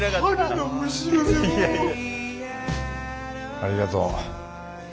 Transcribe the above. ありがとう。